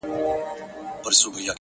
نور به یې شنې پاڼي سمسوري نه وي.!